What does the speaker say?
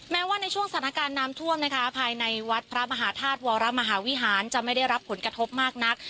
แม้ว่าในช่วงสถานการณ์น้ำท่วมนะคะภายในวัดพระมหาธาตุวรมหาวิหารจะไม่ได้รับผลกระทบมากนัก